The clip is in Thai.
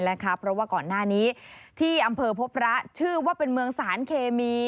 เพราะว่าก่อนหน้านี้ที่อำเภอพบพระชื่อว่าเป็นเมืองสารเคมี